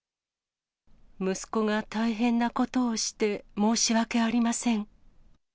息子が大変なことをして申し訳ありません。